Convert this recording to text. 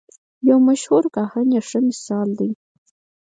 یو مشهور کاهن یې ښه مثال دی.